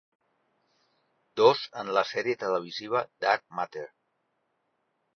Dos en la sèrie televisiva "Dark Matter".